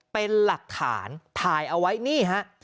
เป็นหลักฐานถ่ายเอาไว้นี่ฮะ